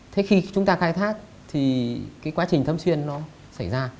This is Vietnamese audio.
thế khi chúng ta khai thác thì cái quá trình thấm xuyên nó xảy ra